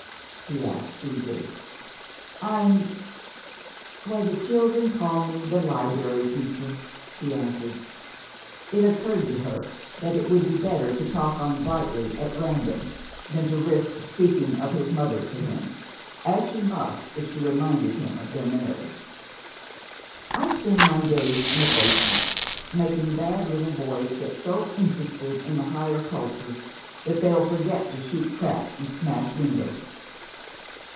he asked feebly. "I'm why, the children call me the Liberry Teacher," she answered. It occurred to her that it would be better to talk on brightly at random than to risk speaking of his mother to him, as she must if she reminded him of their marriage. "I spend my days in a basement, making bad little boys get so interested in the Higher Culture that they'll forget to shoot crap and smash windows."